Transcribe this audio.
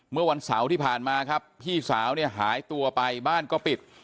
เมื่อวันเสาร์ที่ผ่านมาครับพี่สาวเนี่ยหายตัวไปบ้านก็ปิด